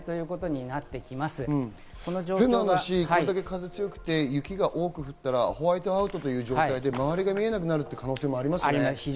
変な話、これだけ風が強くて雪が多く降ったらホワイトアウト、周りが見えなくなる可能性もありますね。